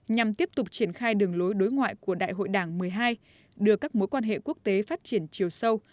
nhằm tiếp tục triển khai đường lối đối ngoại của đại hội đảng một mươi hai đưa các mối quan hệ quốc tế phát triển chiều sâu